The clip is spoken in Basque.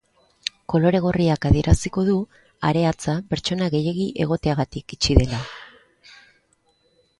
Kolore gorriak adieraziko du hareatza pertsona gehiegi egoteagatik itxi dela.